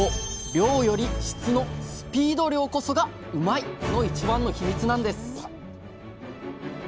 量より質の「スピード漁」こそがうまいッ！の一番のヒミツなんです。